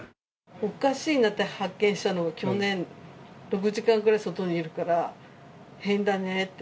おかしいなって発見したのが、去年、６時間ぐらい外にいるから、変だねって。